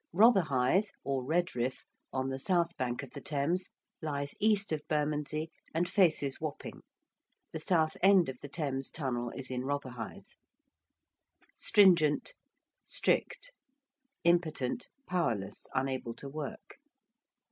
~Rotherhithe~ (or Redriff), on the south bank of the Thames, lies east of Bermondsey and faces Wapping. The south end of the Thames Tunnel is in Rotherhithe. ~stringent~: strict. ~impotent~: powerless, unable to work.